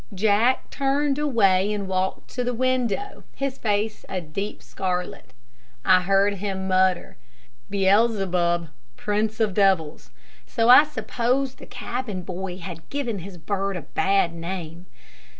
Jack turned away and walked to the window, his face a deep scarlet. I heard him mutter, "Beelzebub, prince of devils," so I suppose the cabin boy had given his bird a bad name.